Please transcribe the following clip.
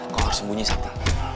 kau harus sembunyi sabdi